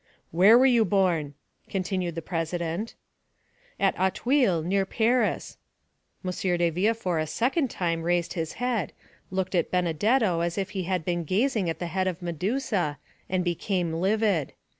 "Where were you born?" continued the president. "At Auteuil, near Paris." M. de Villefort a second time raised his head, looked at Benedetto as if he had been gazing at the head of Medusa, and became livid.